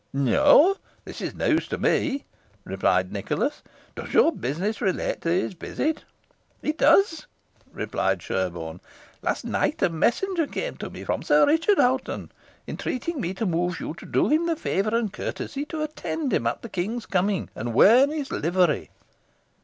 "No; this is news to me," replied Nicholas; "does your business relate to his visit?" "It does," replied Sherborne. "Last night a messenger came to me from Sir Richard Hoghton, entreating me to move you to do him the favour and courtesy to attend him at the King's coming, and wear his livery."